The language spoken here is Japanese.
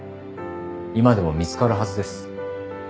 今でも見つかるはずです。